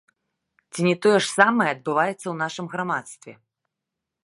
Ці не тое ж самае адбываецца ў нашым грамадстве?